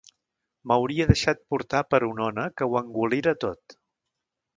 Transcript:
M’hauria deixat portar per una ona que ho engolira tot.